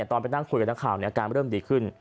ตอนไปนั่งคุยกับนักข่าวอาการเริ่มดีขึ้น